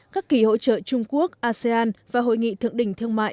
các kỳ hỗ trợ trung quốc asean và hội nghị thượng đỉnh thương mại